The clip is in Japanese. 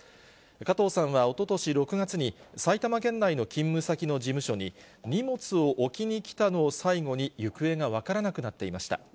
加藤さんはおととし６月に、埼玉県内の勤務先の事務所に、荷物を置きに来たのを最後に行方が分からなくなっていました。